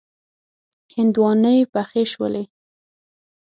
هندواڼی پخې شولې.